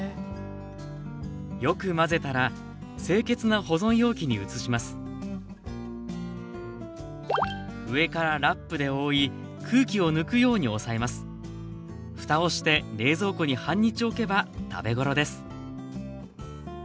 よく混ぜたら清潔な保存容器に移します上からふたをして冷蔵庫に半日おけば食べ頃です